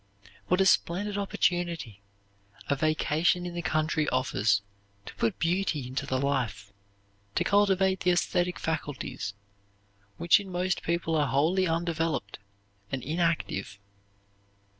What a splendid opportunity a vacation in the country offers to put beauty into the life; to cultivate the esthetic faculties, which in most people are wholly undeveloped and inactive!